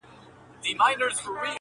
په سلګیو سو په ساندو واویلا سو،